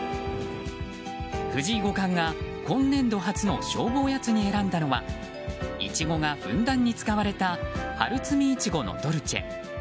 藤井五冠が今年度初の勝負おやつに選んだのはイチゴがふんだんに使われた春摘みイチゴのドルチェ。